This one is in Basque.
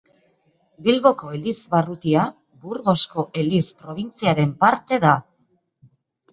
Bilboko elizbarrutia Burgosko eliz probintziaren parte da.